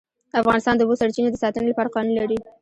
افغانستان د د اوبو سرچینې د ساتنې لپاره قوانین لري.